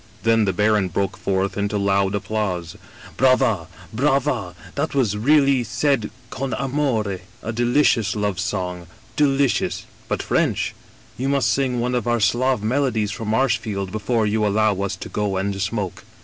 Then the baron broke forth into loud applause. * Brava, brava ! that was really said con amore. A deli cious love song, delicious — ^biit French! You must sing one of our Slav melodies for Marshfield before you allow us to go and smoke.'